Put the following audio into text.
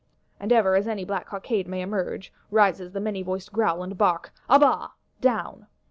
And ever as any black cockade may emerge, rises the many voiced growl and bark: À bas, Down!